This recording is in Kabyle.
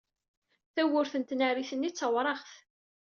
Tawwurt n tnarit-nni d tawraɣt.